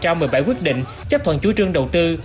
trong một mươi bảy quyết định chấp thuận chú trương đầu tư